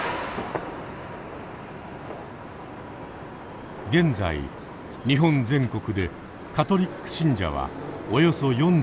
つまり現在日本全国でカトリック信者はおよそ４４万人。